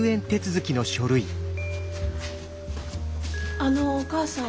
あのお母さん。